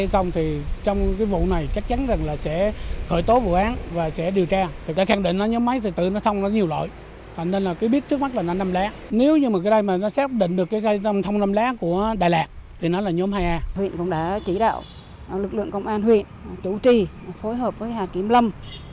công an huyện chủ trì phối hợp với hà kiếm lâm